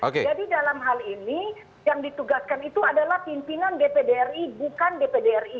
jadi dalam hal ini yang ditugaskan itu adalah pimpinan dpd ri bukan dpd ri